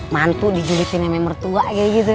mantu dijulitin sama mertua kayak gitu